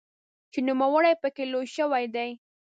چې نوموړی پکې لوی شوی دی.